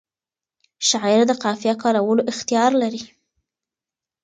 شاعر د قافیه کارولو اختیار لري.